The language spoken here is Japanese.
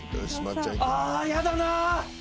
あ嫌だなぁ。